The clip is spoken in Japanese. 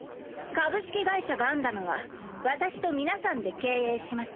「株式会社ガンダム」は私と皆さんで経営します。